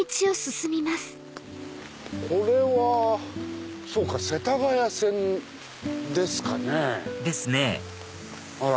これはそうか世田谷線ですか。ですねあら！